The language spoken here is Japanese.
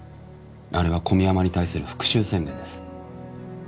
あれは小宮山に対する復讐宣言です。